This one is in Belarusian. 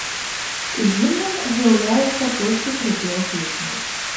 Гімнам з'яўляецца толькі прыпеў песні.